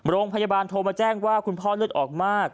โรงพยาบาลโทรมาแจ้งว่าคุณพ่อเลือดออกมาก